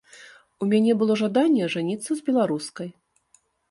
У мяне было жаданне ажаніцца з беларускай.